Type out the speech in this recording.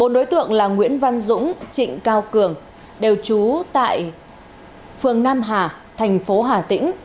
một đối tượng là nguyễn văn dũng trịnh cao cường đều trú tại phường nam hà thành phố hà tĩnh